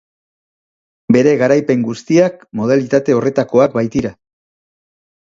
Bere garaipen guztiak modalitate horretakoak baitira.